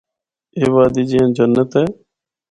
اے وادی جیّاں جنت اے۔